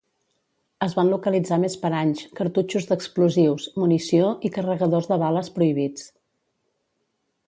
Es van localitzar més paranys, cartutxos d'explosius, munició i carregadors de bales prohibits.